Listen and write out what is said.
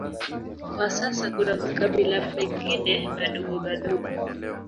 Kwa sasa kuna makabila mengine madogo madogo